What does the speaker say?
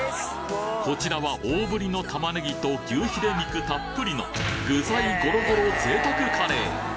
こちらは大ぶりの玉ねぎと牛ヒレ肉たっぷりの具材ゴロゴロ贅沢カレー！